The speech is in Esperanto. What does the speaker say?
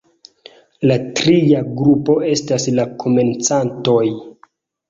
La tria grupo estas la komencantoj.